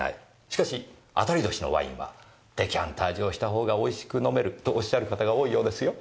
しかし当たり年のワインはデカンタージュをしたほうが美味しく飲めるとおっしゃる方が多いようですよ。